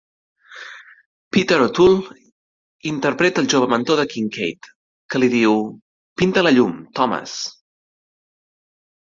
Peter O'Toole interpreta el jove mentor de Kinkade, que li diu, Pinta la llum, Thomas!